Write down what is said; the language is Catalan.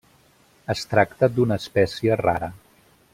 Es tracta d'una espècie rara.